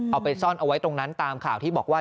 เอาไปซ่อนเอาไว้ตรงนั้นตามข่าวที่บอกว่า